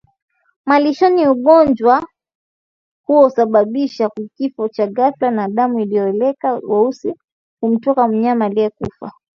malishoni Ugonjwa huo husababisha kifo cha ghafla na damu iliyokolea weusi humtoka mnyama aliyekufa